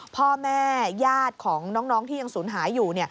พ่อแม่ญาติของน้องที่ยังสูญหายอยู่